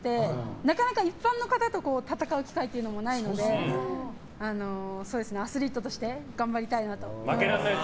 なかなか一般の方と戦う機会もないのでアスリートとして頑張りたいなと思います。